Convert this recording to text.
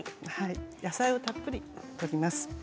野菜をたっぷりとります。